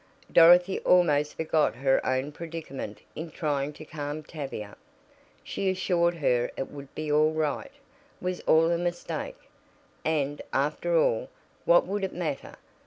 Dorothy almost forgot her own predicament in trying to calm Tavia. She assured her it would be all right was all a mistake, and, after all, what would it matter?